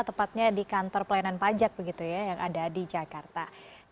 tepatnya di kantor pelayanan pajak yang ada di jakarta